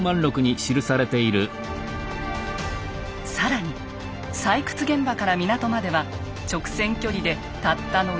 更に採掘現場から港までは直線距離でたったの２ｋｍ。